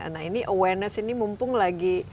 nah ini awareness ini mumpung lagi